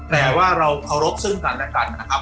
แปลว่าเรารบซึ้งกันและกันนะครับ